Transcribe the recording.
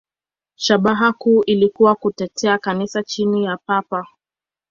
Shabaha kuu ilikuwa kutetea Kanisa chini ya Papa.